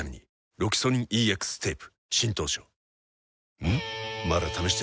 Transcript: ロキソニンＥＸテープ